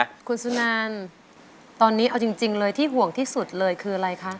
คุณสุนันตอนนี้เอาจริงเลยที่ห่วงที่สุดเลยคืออะไรคะ